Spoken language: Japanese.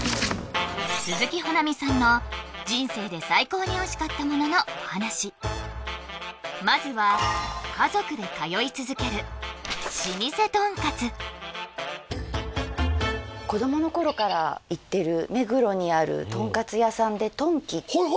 鈴木保奈美さんの人生で最高においしかったもののお話まずは子供の頃から行ってる目黒にあるとんかつ屋さんでとんきはい